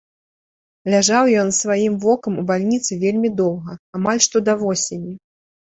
Ляжаў ён з сваім вокам у бальніцы вельмі доўга, амаль што да восені.